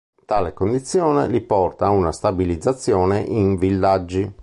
Tale condizione li porta a una stabilizzazione in villaggi.